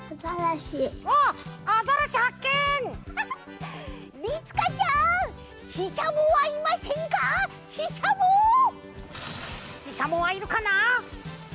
ししゃもはいるかな？